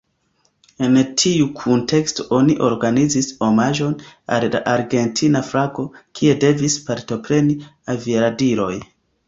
En tiu kunteksto oni organizis omaĝon al la argentina flago, kie devis partopreni aviadiloj.